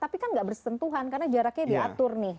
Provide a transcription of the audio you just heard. tapi kan gak bersentuhan karena jaraknya diatur nih